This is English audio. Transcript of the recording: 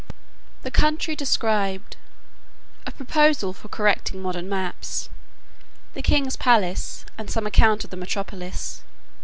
The country described. A proposal for correcting modern maps. The king's palace; and some account of the metropolis.